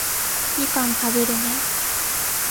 みかん食べるね